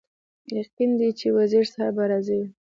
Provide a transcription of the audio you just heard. یقین دی چې وزیر صاحب به راضي وي.